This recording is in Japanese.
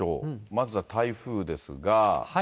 まずは台風ですが。